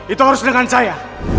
itu harus dengan saya